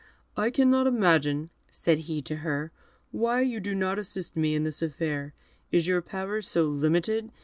"I cannot imagine," said he to her, "why you do not assist me in this affair; is your power so limited?